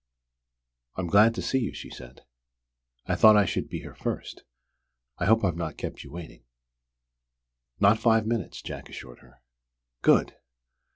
"I am glad to see you," she said. "I thought I should be here first. I hope I've not kept you waiting?" "Not five minutes," Jack assured her. "Good!